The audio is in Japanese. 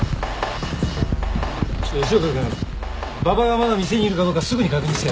ちょっと吉岡君馬場がまだ店にいるかどうかすぐに確認して。